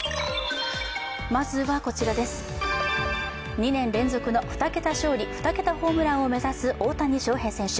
２年連続の２桁勝利、２桁ホームランを目指す大谷翔平選手。